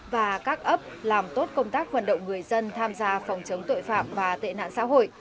và các ấp làm tốt công tác vận động người dân tham gia phòng chống tội phạm và tệ nạn xã hội